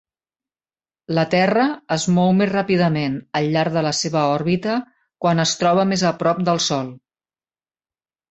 La Terra es mou més ràpidament al llarg de la seva òrbita quan es troba més a prop del sol.